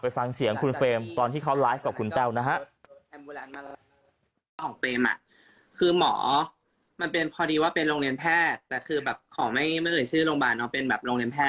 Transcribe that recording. ฟังเสียงคุณเฟรมตอนที่เขาไลฟ์กับคุณแต้วนะฮะ